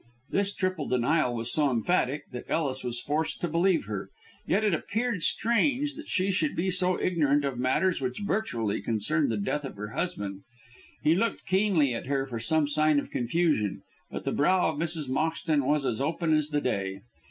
This triple denial was so emphatic that Ellis was forced to believe her. Yet it appeared strange that she should be so ignorant of matters which virtually concerned the death of her husband. He looked keenly at her for some sign of confusion, but the brow of Mrs. Moxton was as open as the day.